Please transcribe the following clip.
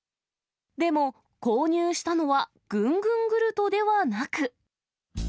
でも、購入したのは、ぐんぐんグルトではなく。